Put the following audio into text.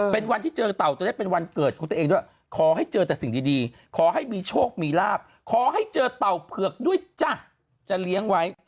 เป็นวันที่เจอเต่าจะได้เป็นวันเกิดของตัวเองด้วยขอให้เจอแต่สิ่งดีขอให้มีโชคมีลาบขอให้เจอเต่าเผือกด้วยจ้ะจะเลี้ยงไว้